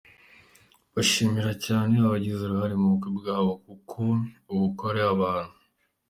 Bashimira cyane abagize uruhare mu bukwe bwabo kuko ubukwe ari abantu.